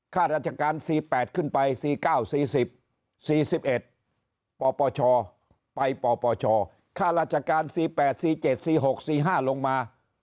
ข้าราชการ๔๘ขึ้นไป๔๙๔๐๔๑ปปชไปปปชค่าราชการ๔๘๔๗๔๖๔๕ลงมา